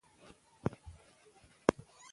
ازادي راډیو د ورزش په اړه د عبرت کیسې خبر کړي.